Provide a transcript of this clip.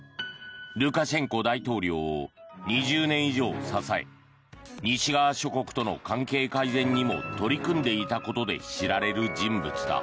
ルカシェンコ大統領を２０年以上支え西側諸国との関係改善にも取り組んでいたことで知られる人物だ。